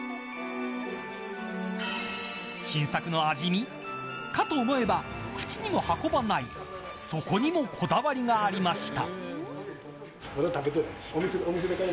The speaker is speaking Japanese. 新作の味見かと思えば口にも運ばないそこにもこだわりがありました。